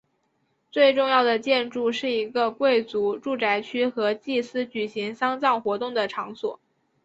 最重要的建筑是一个贵族住宅区和祭司举行丧葬活动的场所。